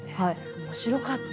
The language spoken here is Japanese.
面白かった。